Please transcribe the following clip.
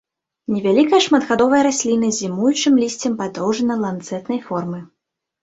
Невялікая шматгадовая расліна з зімуючым лісцем падоўжана-ланцэтнай формы.